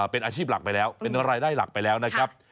เป็นอาชีพหลักไปแล้วเป็นรายได้หลักไปแล้วนะครับ